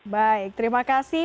baik terima kasih